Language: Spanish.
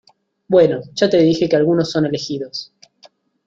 bueno, ya te dije que algunos son elegidos